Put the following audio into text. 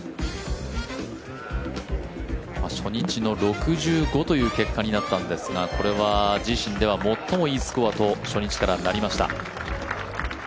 初日の６５という結果になったんですがこれは自身では最もいいスコアと初日からなりました。